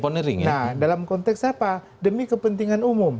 nah dalam konteks apa demi kepentingan umum